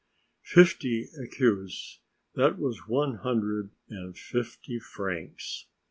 Fifty écus; that was one hundred and fifty francs!